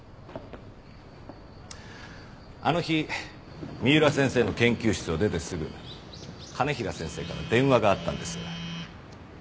あの日三浦先生の研究室を出てすぐ兼平先生から電話があったんです。